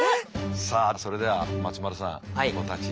さあそれでは松丸さん。お立ちいただきます。